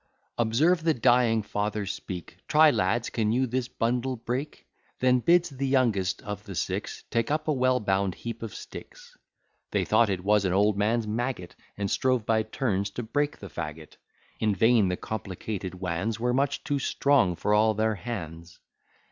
Observe the dying father speak: Try, lads, can you this bundle break? Then bids the youngest of the six Take up a well bound heap of sticks. They thought it was an old man's maggot; And strove, by turns, to break the fagot: In vain: the complicated wands Were much too strong for all their hands.